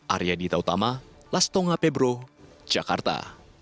arya dita utama lastonga pebro jakarta